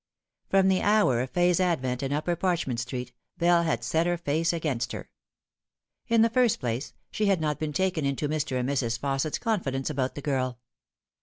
From the hour of Fay's advent in Upper Parchment Street, Bell had set her face against her. In the first place, she had not been taken into Mr. and Mrs. Fausset's confidence about the girl.